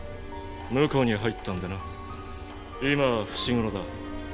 婿に入ったんでな今は伏黒だ。